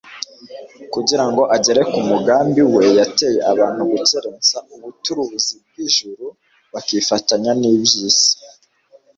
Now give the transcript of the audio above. Kugira ngo agere ku mugambi we yateye abantu gukerensa ubuturuzi bw'ijuru bakifatanya n'iby'isi.